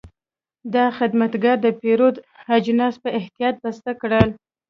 دا خدمتګر د پیرود اجناس په احتیاط بسته کړل.